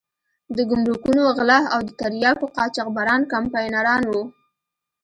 د ګمرکونو غله او د تریاکو قاچاقبران کمپاینران وو.